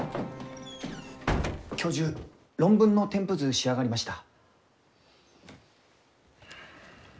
教授論文の添付図仕上がりました。